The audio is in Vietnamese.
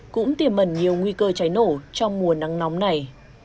cũng tiềm mẩn nhiều nguy cơ cháy nổ trong mùa nắng nóng này